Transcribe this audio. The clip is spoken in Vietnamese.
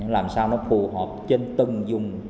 làm sao nó phù hợp trên từng dùng